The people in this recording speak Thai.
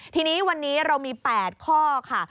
ทีนี้วันนี้เรามี๘ข้อค่ะ